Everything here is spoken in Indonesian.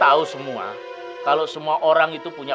alhamdulillah masih ada duitnya